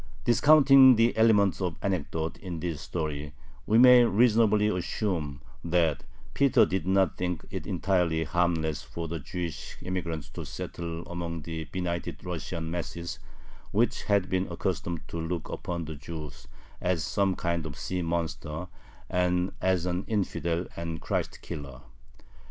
Discounting the element of anecdote in this story, we may reasonably assume that Peter did not think it entirely harmless for the Jewish emigrants to settle among the benighted Russian masses, which had been accustomed to look upon the Jew as some kind of sea monster, and as an infidel and Christ killer.